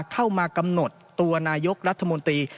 เข้ามากำหนดตัวนายกรัฐมนตรี